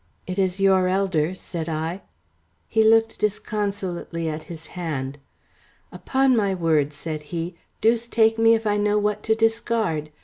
"It is your elder," said I. He looked disconsolately at his hand. "Upon my word," said he. "Deuce take me if I know what to discard.